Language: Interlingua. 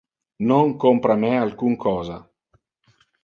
Non compra me alcun cosa.